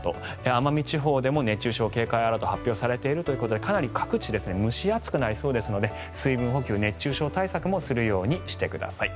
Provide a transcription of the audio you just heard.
奄美地方でも熱中症警戒アラートが発表されているということでかなり各地蒸し暑くなりそうですので水分補給、熱中症対策もするようにしてください。